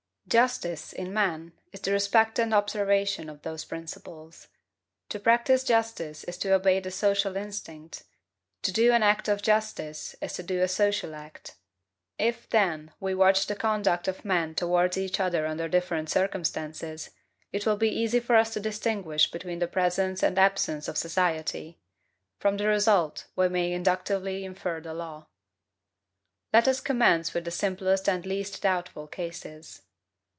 Justice, in man, is the respect and observation of those principles. To practise justice is to obey the social instinct; to do an act of justice is to do a social act. If, then, we watch the conduct of men towards each other under different circumstances, it will be easy for us to distinguish between the presence and absence of society; from the result we may inductively infer the law. Let us commence with the simplest and least doubtful cases.